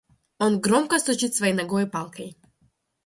Он громко стучит своей ногой и палкой.